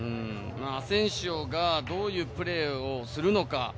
アセンシオがどういうプレーをするのか。